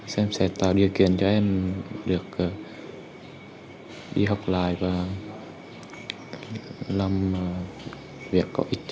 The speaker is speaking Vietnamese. xem sẽ tạo điều kiện cho em được đi học lại và làm việc có ích